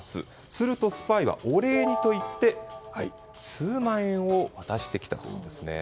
すると、スパイはお礼にと言って数万円を渡してきたというんですね。